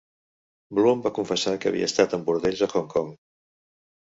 Bloom va confessar que havia estat en bordells a Hong Kong.